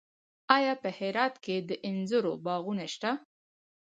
آیا په هرات کې د انځرو باغونه شته؟